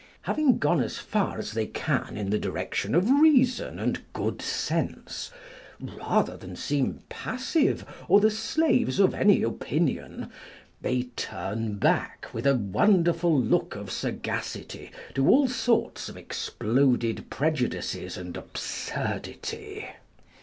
Having gone as far as they can in the direction of reason and good sense, rather than seem passive or the slaves of any opinion, they turn back with a wonderful look of sagacity to all sorts of exploded prejudices and absurdity.